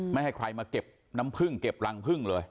ไม่ให้ใครมาเก็บน้ำพึ่งเก็บรังพึ่งเลย